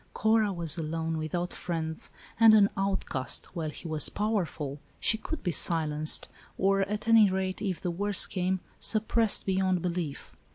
Cora was alone, without friends, and an outcast, while he was powerful. She could be silenced, or, at any rate, if the worst came, suppressed be yond belief.